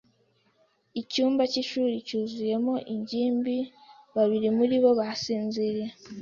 Icyumba cy'ishuri cyuzuyemo ingimbi. Babiri muri bo basinziriye.